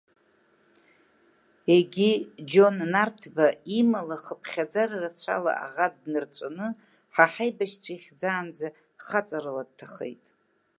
Егьи, Џьон Нарҭба имала хыԥхьаӡара рацәала аӷа днырҵәаны ҳа ҳаибашьцәа ихьӡаанӡа хаҵарала дҭахеит.